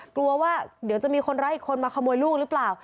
กลัวว่าเดี๋ยวจะมีคนร้ายอีกคนมาขโมยลูกหรือเปล่า